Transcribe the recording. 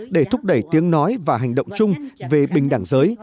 để thúc đẩy tiếng nói và hành động chung về bình đẳng giới